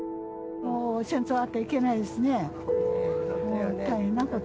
戦争はあってはいけないですね。